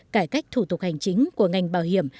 cải cách thủ tục hành chính của ngành bảo hiểm